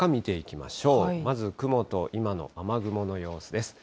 まず雲と今の雨雲の様子です。